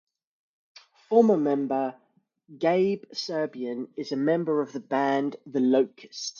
Former member Gabe Serbian is a member of the band The Locust.